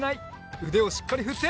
うでをしっかりふって。